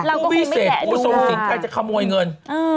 ฟู้วิเศษฟู้สูงสินใกล้จะขโมยเงิน